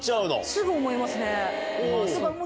すぐ思いますね。